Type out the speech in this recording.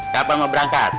siapa mau berangkat